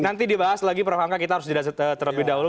nanti dibahas lagi prof hamka kita harus terlebih dahulu